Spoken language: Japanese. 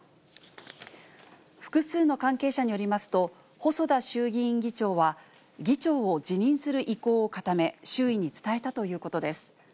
複数の関係者によりますと、細田衆議院議長は、議長を辞任する意向を固め、周囲に伝えたということです。